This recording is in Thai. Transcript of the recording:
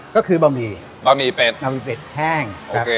ก็คือบ่าหมี่บ่าหมี่เป็ดบ่าหมี่เป็ดแห้งครับโอเค